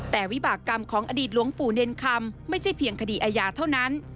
แต่วิบากรรมของอดีตหลวงปู่เนรคำไม่ใช่เพียงคดีอาญาเท่านั้น